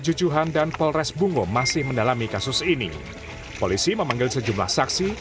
jujuhan dan polres bungo masih mendalami kasus ini polisi memanggil sejumlah saksi